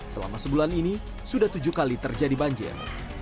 selama sebulan ini sudah tujuh kali terjadi banjir